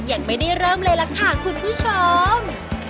ยังไม่ได้เริ่มเลยล่ะค่ะคุณผู้ชม